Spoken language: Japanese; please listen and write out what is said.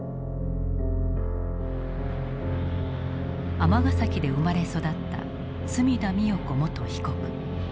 尼崎で生まれ育った角田美代子元被告。